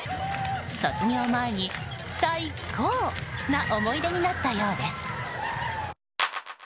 卒業前に最高な思い出になったようです。